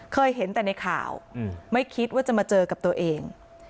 เคยเห็นแต่ในข่าวไม่คิดว่าจะมาเจอกับตัวเอง